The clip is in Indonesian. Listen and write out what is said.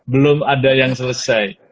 belum ada yang selesai